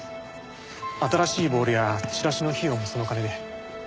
新しいボールやチラシの費用もその金で。